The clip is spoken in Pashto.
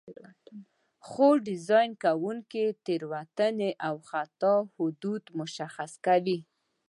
خو ډیزاین کوونکي د تېروتنې او خطا حدود مشخص کوي.